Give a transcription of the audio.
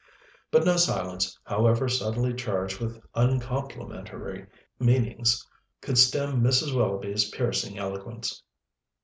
But no silence, however subtly charged with uncomplimentary meanings, could stem Mrs. Willoughby's piercing eloquence.